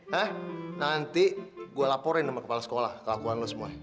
hah nanti gue laporin sama kepala sekolah kelakuan lo semua